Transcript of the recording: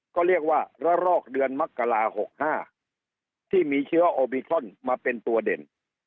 ก็เรียกว่าระลอกเดือนมกรา๖๕ที่มีเชื้อโอมิครอนมาเป็นตัวเด่น